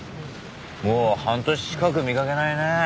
もう半年近く見かけないね。